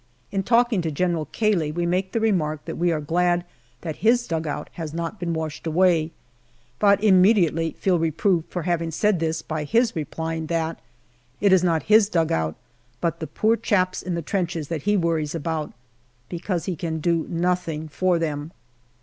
In talking to General Cay ley, NOVEMBER 275 we make the remark that we are glad that his dugout has not been washed away, but immediately feel reproved for having said this by his replying that "it is not his dugout, but the poor chaps in the trenches that he worries about, because he can do nothing for them."